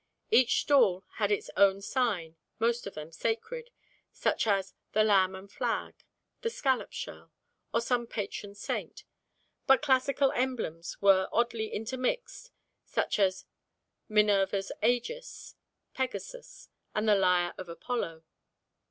Each stall had its own sign, most of them sacred, such as the Lamb and Flag, the Scallop Shell, or some patron saint, but classical emblems were oddly intermixed, such as Minerva's Ægis, Pegasus, and the Lyre of Apollo.